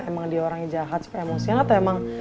emang dia orang yang jahat suka emosian atau emang